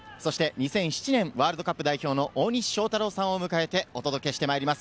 ２００１年ワールドカップ代表の大西将太郎さんを迎えてお届けしてまいります。